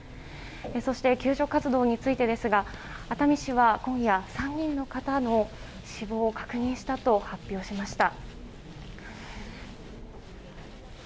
そして救助活動についてですが熱海市は今夜３人の方の死亡を確認したと発表しました。